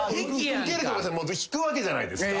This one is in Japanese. ウケるとか引くわけじゃないですか。